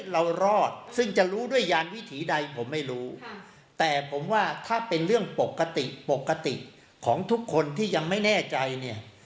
รอดซึ่งจะรู้ด้วยยานวิถีใดผมไม่รู้แต่ผมว่าถ้าเป็นเรื่องปกติปกติของทุกคนที่ยังไม่แน่ใจเนี่ย